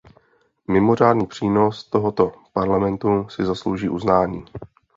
Mimořádný přínos tohoto Parlamentu si zaslouží uznání.